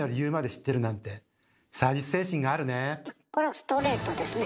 これはストレートですね。